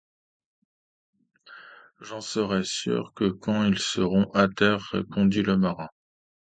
Je n’en serai sûr que quand ils seront à terre, répondit le marin